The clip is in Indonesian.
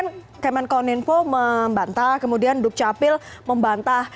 ini kan kemenkoninfo membantah kemudian dukcapil membantah